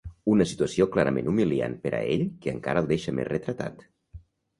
Una situació clarament humiliant per a ell, que encara el deixa més retratat.